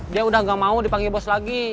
dia udah gak mau dipanggil bos lagi